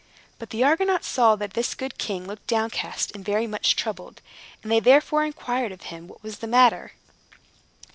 But the Argonauts saw that this good king looked downcast and very much troubled, and they therefore inquired of him what was the matter.